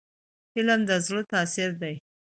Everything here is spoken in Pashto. فلم د زړه تاثیر دی